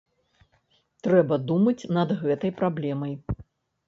Трэба думаць над гэтай праблемай.